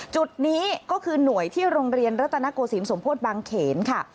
จุดนี้ก็คือหน่วยที่โรงเรียนรัตนโกศิลปสมโพธิบางเขนค่ะ